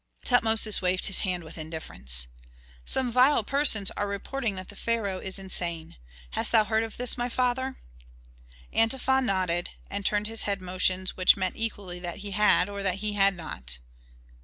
Tutmosis waved his hand with indifference. "Some vile persons are reporting that the pharaoh is insane. Hast heard of this, my father?" Antefa nodded and turned his head motions which meant equally that he had, or that he had not.